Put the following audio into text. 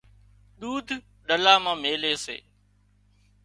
ۮود ڏلا مان ميلي سي